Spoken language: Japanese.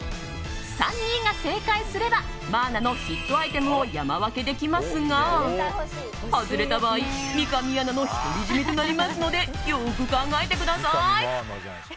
３人が正解すればマーナのヒットアイテムを山分けできますが外れた場合、三上アナの独り占めとなりますのでよく考えてください。